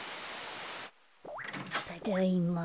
ただいま。